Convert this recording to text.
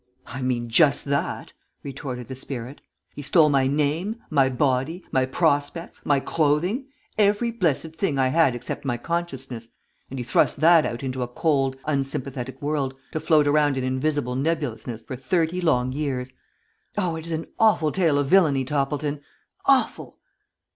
"I mean just that," retorted the spirit. "He stole my name, my body, my prospects, my clothing every blessed thing I had except my consciousness, and he thrust that out into a cold, unsympathetic world, to float around in invisible nebulousness for thirty long years. Oh, it is an awful tale of villainy, Toppleton! Awful!"